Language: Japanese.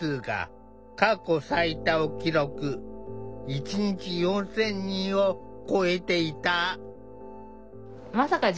一日４，０００人を超えていた。